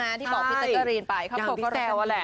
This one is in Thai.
ข้างข้างพี่แจ๊กเกอรีนไปครอบครัวก็ไหว